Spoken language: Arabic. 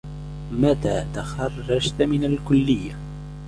متى تخرّجت من الكليّة؟